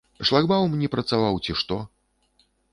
Шлагбаум не працаваў, ці што.